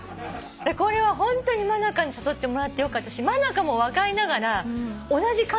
これはホントに真香に誘ってもらってよかったし真香も若いながら同じ感想だったの。